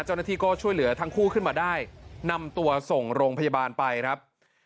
เจ้าหน้าที่ก็ช่วยเหลือทั้งคู่ขึ้นมาได้นำตัวส่งโรงพยาบาลไปครับ